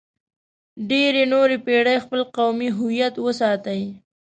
ډېرې نورې پېړۍ خپل قومي هویت وساتئ.